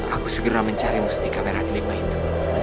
aku segera mencari musti kamera di lima itu